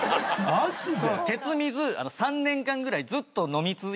マジで？